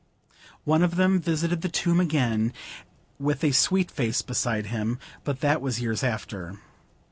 One of them visited the tomb again with a sweet face beside him; but that was years after.